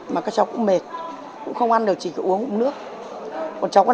mà các cháu cũng mệt cũng không ăn được chỉ có uống nước